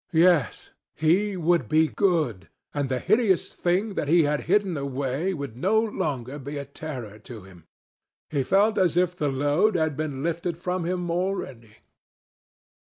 Yes, he would be good, and the hideous thing that he had hidden away would no longer be a terror to him. He felt as if the load had been lifted from him already.